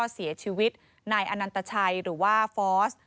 เสียชีวิตนายอนันตชัยหรือว่าฟอร์ส